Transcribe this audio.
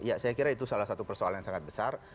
ya saya kira itu salah satu persoalan yang sangat besar